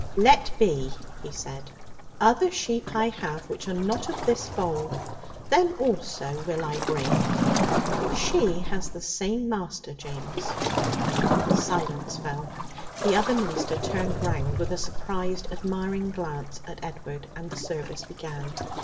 'Let be,' he said. '"Other sheep I have which are not of this fold. Them also will I bring." She has the same master, James.' Silence fell. The other minister turned round with a surprised, admiring glance at Edward, and the service began.